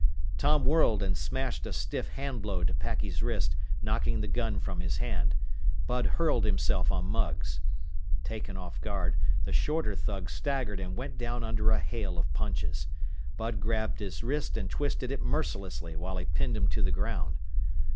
_ Tom whirled and smashed a stiff handblow to Packy's wrist, knocking the gun from his hand. Bud hurled himself on Mugs. Taken off guard, the shorter thug staggered and went down under a hail of punches. Bud grabbed his wrist and twisted it mercilessly while he pinned him to the ground.